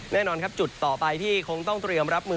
แน่นอนครับจุดต่อไปที่คงต้องเตรียมรับมือ